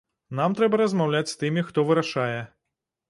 Нам трэба размаўляць з тымі, хто вырашае.